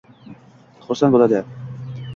Xursand bo‘ladi.